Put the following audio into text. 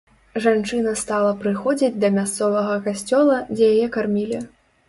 Жанчына стала прыходзіць да мясцовага касцёла, дзе яе кармілі.